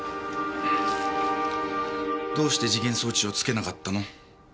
どうして時限装置を付けなかったの？